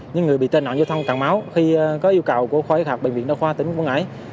những người bị tên nặng giao thông càng máu khi có yêu cầu của khoa học bệnh viện đông khoa tỉnh quảng ngãi